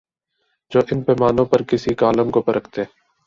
جو ان پیمانوں پر کسی کالم کو پرکھتے